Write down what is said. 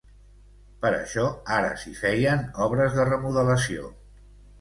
Per això ara s’hi feien obres de remodelació.